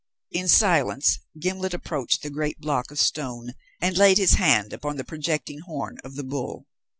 In silence, Gimblet approached the great block of stone and laid his hand upon the projecting horn of the bull.